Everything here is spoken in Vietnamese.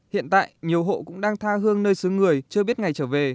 hiện tại nhiều hộ cũng đang tha hương nơi xứ người chưa biết ngày trở về